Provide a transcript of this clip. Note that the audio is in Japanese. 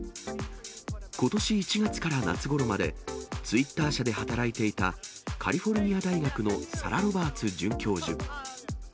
ことし１月から夏ごろまで、ツイッター社で働いていたカリフォルニア大学のサラ・ロバーツ准教授。